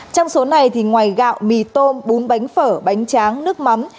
trong số này thì ngoài gạo mì tôm bún bánh phở bánh tráng nước mắm